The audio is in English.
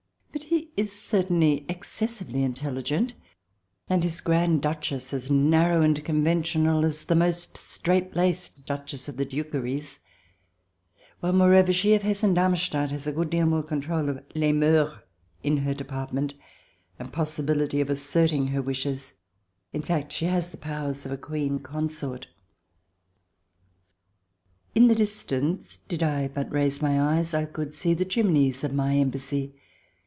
But he is certainly excessively intelligent, and his Grand Duchess as narrow and conventional as the most straight laced Duchess of the Dukeries ; while, moreover, she of Hessen Darmstadt has a good deal more control of les mceurs in her department, and possibility of asserting her wishes. In fact, she has the powers of a Queen Consort. In the distance, did I but raise my eyes, I could see the chimneys of My Embassy.